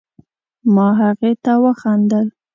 ما هغې ته وخندل